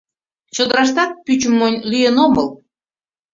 Чодыраштат пӱчым монь лӱен омыл.